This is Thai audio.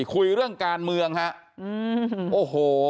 คุยเรื่องการเมืองฮะโอ้โห